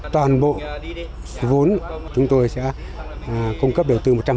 toàn bộ vốn chúng tôi sẽ cung cấp đầu tư một trăm linh